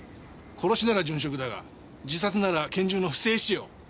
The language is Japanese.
殺しなら殉職だが自殺なら拳銃の不正使用。